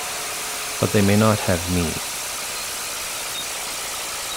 But they may not have me.